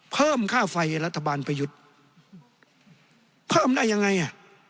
เพิ่มค่าไฟรัฐบาลประยุทธ์เพิ่มได้ยังไงอ่ะ